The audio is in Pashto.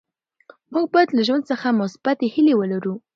موږ باید له ژوند څخه مثبتې هیلې ولرو.